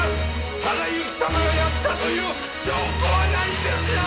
定行様がやったという証拠はないんですよ！？